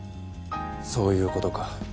そういうことか